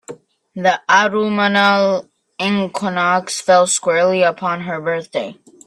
The autumnal equinox fell squarely upon her birthday.